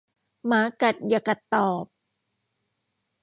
หมากัดอย่ากัดตอบ